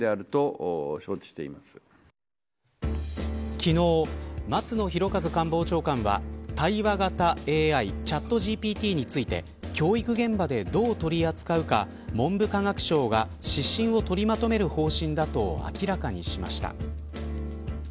昨日、松野博一官房長官は対話型ＡＩチャットＧＰＴについて教育現場でどう取り扱うか、文部科学省が指針を取りまとめる方針だと明らかにしました。